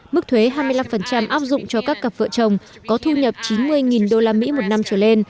mức thuế hai mươi năm áp dụng cho các cặp vợ chồng có thu nhập chín mươi đô la mỹ một năm trở lên